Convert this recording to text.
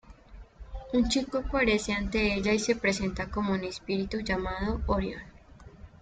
Un chico aparece ante ella y se presenta como un espíritu llamado Orión.